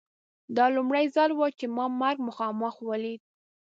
دا لومړی ځل و چې ما مرګ مخامخ ولید